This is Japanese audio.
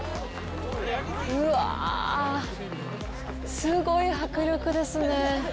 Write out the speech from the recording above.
うわあ、すごい迫力ですね。